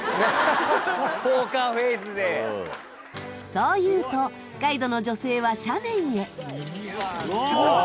そう言うとガイドの女性は斜面へ。